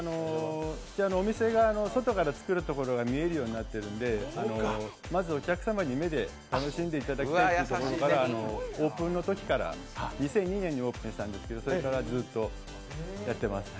お店が外から作るところが見えるようになってますので、まずお客様に目で楽しんでいただこうということからオープンのときから２００２年にオープンしたんですけど、それからずっとやってますね。